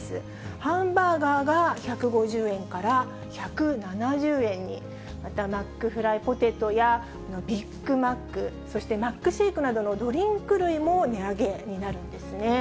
ハンバーガーが１５０円から１７０円に、また、マックフライポテトやビッグマック、そして、マックシェイクなどのドリンク類も値上げになるんですね。